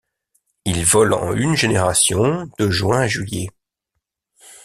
Il vole en une génération de juin à juillet.